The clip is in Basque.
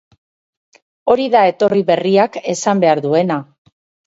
Hori da etorri berriak esan behar duena.